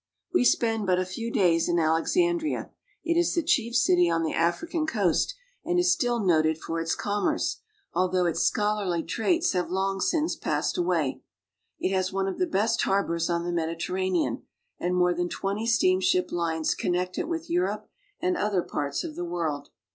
We spend but a few days in Alexandria. It is the chief city on the African coast and is still noted for its com ALEXANDRIA AND CAIRO 95 merce, although its scholarly traits have long since passed away. It has one of the best harbors on the Mediterra nean, and more than twenty steamship lines connect it with Europe and other parts of the world.